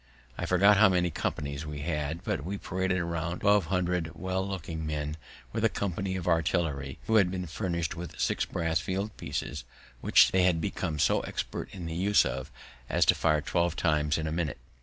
I forget how many companies we had, but we paraded about twelve hundred well looking men, with a company of artillery, who had been furnished with six brass field pieces, which they had become so expert in the use of as to fire twelve times in a minute.